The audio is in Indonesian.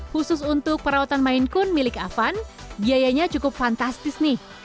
khusus untuk perawatan main kun milik avan biayanya cukup fantastis nih